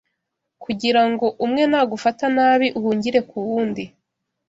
kugira ngo umwe nagufata nabi uhungire ku wundi